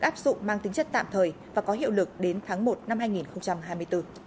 giá khí đốt được áp dụng mang tính chất tạm thời và có hiệu lực đến tháng một năm hai nghìn hai mươi bốn